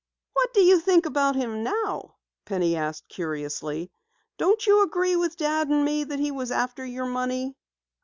"What do you think about him now?" Penny asked curiously. "Don't you agree with Dad and me that he was after your money?"